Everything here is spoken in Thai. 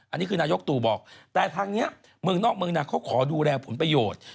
อันนี้คือนายกตู่บอกแต่ทางนี้เมืองนอกเมืองนาเขาขอดูแลผลประโยชน์